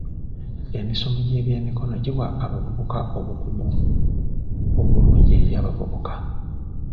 Emisomo gy'ebyemikono giwa abavubuka obukugu obulungi eri abavubuka.